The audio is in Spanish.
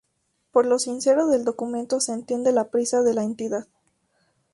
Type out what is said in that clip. Por lo sincero del documento se entiende la prisa de la entidad